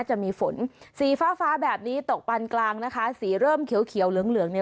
จะมีฝนสีฟ้าฟ้าแบบนี้ตกปานกลางนะคะสีเริ่มเขียวเขียวเหลืองเหลืองเนี่ย